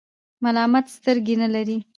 ملامت سترګي نلری .